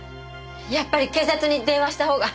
やっぱり警察に電話した方が。